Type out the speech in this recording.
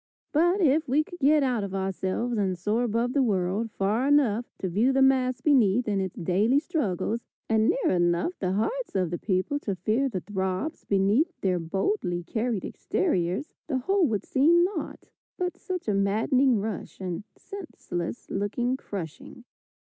But, if we could get out of ourselves and soar above the world, far enough to view the mass beneath in its daily struggles, and near enough the hearts of the people to feel the throbs beneath their boldly carried exteriors, the whole would seem naught but such a maddening rush and senseless looking crushing.